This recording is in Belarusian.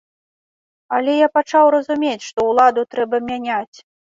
Але я пачаў разумець, што ўладу трэба мяняць.